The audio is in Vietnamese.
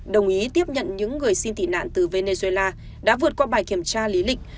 đồng ý tiếp nhận những người xin tị nạn từ venezuela đã vượt qua bài kiểm tra lý lịch